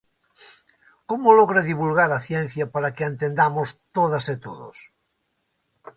Como logra divulgar a ciencia para que a entendamos todas e todos?